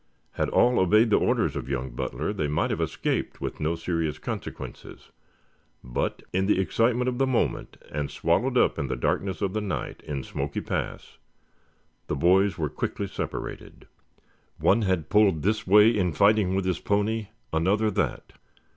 Had all obeyed the orders of young Butler they might have escaped with no serious consequences, but in the excitement of the moment and swallowed up in the darkness of the night in Smoky Pass, the boys were quickly separated. One had pulled this way in fighting with his pony, another that.